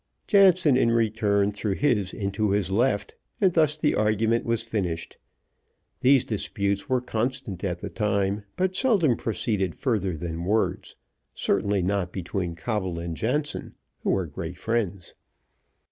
Jansen in return threw his into his left, and thus the argument was finished. These disputes were constant at the time, but seldom proceeded further than words certainly not between Coble and Jansen, who were great friends.